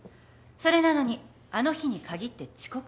それなのにあの日にかぎって遅刻をした。